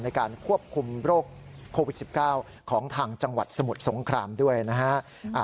ในการควบคุมโรคโควิด๑๙ของทางจังหวัดสมุทรสงครามด้วยนะฮะ